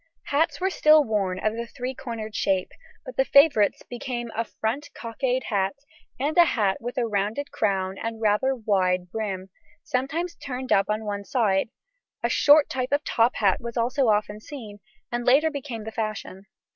Hats were still worn of the three cornered shape, but the favourites became a front cockade hat and a hat with a rounded crown and rather wide brim, sometimes turned up on one side; a short type of top hat was also often seen, and later became the fashion.